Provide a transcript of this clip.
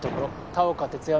田岡徹也